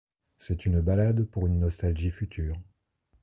C’est une ballade pour une nostalgie future.